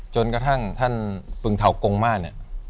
จนกระทั่งท่านปึงเทากงมาเนี่ย